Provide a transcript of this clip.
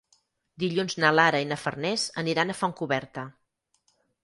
Dilluns na Lara i na Farners aniran a Fontcoberta.